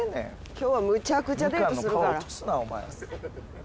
今日はむちゃくちゃデートするから。